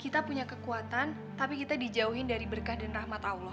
kita punya kekuatan tapi kita dijauhin dari berkah dan rahmat allah